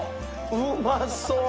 うまそう！